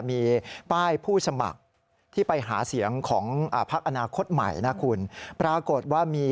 มีป้ายผู้สมัครที่ไปหาเสียงของพักอนาคตใหม่นะคุณปรากฏว่ามี